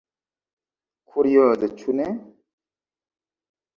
Kurioze, ĉu ne?